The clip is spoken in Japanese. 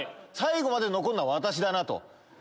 最後まで残るのは私だなと。